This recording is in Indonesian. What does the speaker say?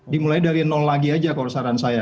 dimulai dari nol lagi aja kalau saran saya